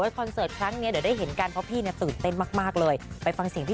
โดมเนี้ยบอกเลยว่าโอ้โหที่ฉันบอกเลยว่าโอ้โห